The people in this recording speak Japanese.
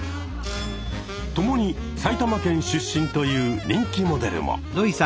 共に埼玉県出身という人気モデルも。